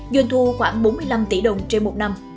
doanh thu khoảng bốn mươi năm tỷ đồng trên một năm